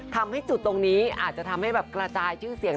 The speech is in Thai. ทำให้จุดตรงนี้อาจจะทำให้แบบกระจายชื่อเสียง